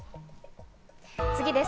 次です。